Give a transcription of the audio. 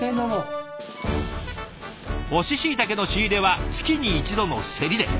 乾しいたけの仕入れは月に一度の競りで。